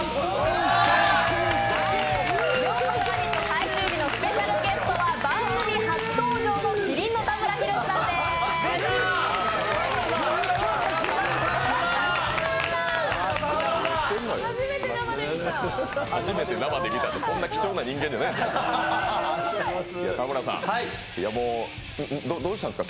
最終日のスペシャルゲストは番組初登場の、麒麟の田村裕さんです。